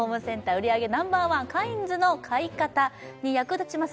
売り上げナンバーワンカインズの買い方に役立ちます